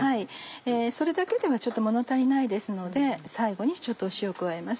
それだけではちょっと物足りないですので最後にちょっと塩を加えます。